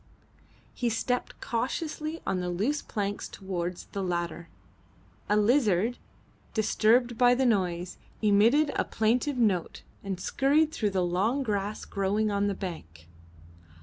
He stepped cautiously on the loose planks towards the ladder. A lizard, disturbed by the noise, emitted a plaintive note and scurried through the long grass growing on the bank.